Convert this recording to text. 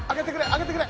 上げてくれ！